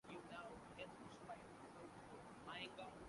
اس کے برخلاف ویلفیئر ریاست میں فرد مقدم ہوتا ہے۔